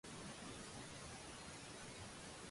這時我立時叫老媽開糖水